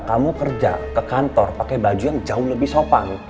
kamu kerja ke kantor pakai baju yang jauh lebih sopan